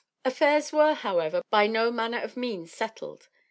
] Affairs were, however, by no manner of means settled.